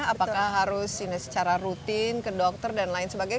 apakah harus ini secara rutin ke dokter dan lain sebagainya